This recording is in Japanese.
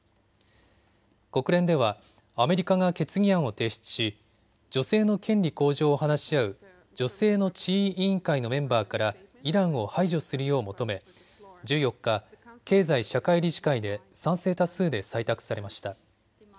国連ではアメリカが決議案を提出し女性の権利向上を話し合う女性の地位委員会のメンバーからイランを排除するよう求め１４日、経済社会理事会で賛成多数で採択されました。